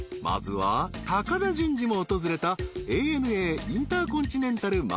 ［まずは高田純次も訪れたＡＮＡインターコンチネンタル